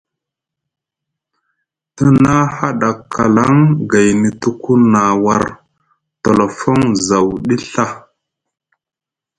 Te na haɗa kalaŋ gaini tuku na war tolofon zaw ɗi Ɵa.